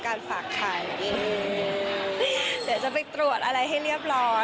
การฝากไข่